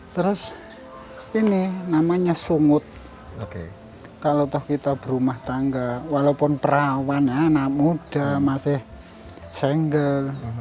terus ini namanya sungut kalau kita berumah tangga walaupun perawan anak muda masih senggel